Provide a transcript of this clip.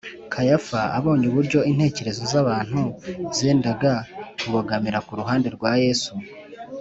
kayafa, abonye uburyo intekerezo z’abantu zendaga kubogamira ku ruhande rwa yesu